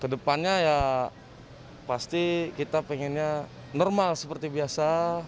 ke depannya ya pasti kita pengennya normal seperti biasa